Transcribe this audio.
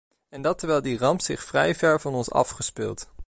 En dat terwijl die ramp zich vrij ver van ons afgespeeld.